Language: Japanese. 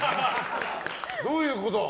どういうこと？